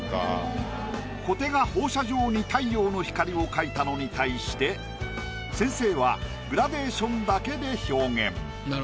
小手が放射状に太陽の光を描いたのに対して先生はグラデーションだけで表現。